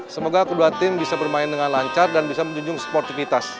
semoga kedua tim bisa bermain dengan lancar dan bisa menjunjung sportivitas